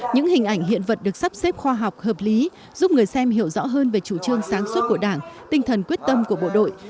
những hình ảnh hiện vật được sắp xếp khoa học hợp lý giúp người xem hiểu rõ hơn về chủ trương sáng suốt của đảng tinh thần quyết tâm của bộ đội